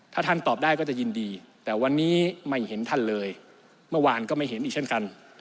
ถ้าท่านตอบได้ก็จะยินดีแต่วันนี้ไม่เห็นท่านเลยเมื่อวานก็ไม่เห็นอีกเช่นกัน